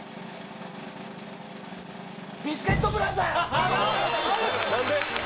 ビスケットブラザーズ！